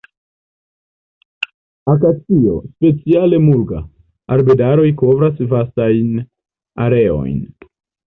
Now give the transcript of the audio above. Akacio, speciale "mulga"-arbedaroj kovras vastajn areojn.